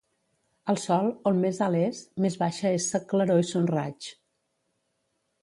El sol, on més alt és, més baixa és sa claror i son raig.